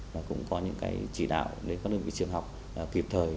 và cũng có những cái chỉ đạo đến các đơn vị trường học kịp thời